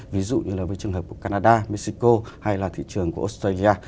ví dụ như là với trường hợp của canada mexico hay là thị trường của australia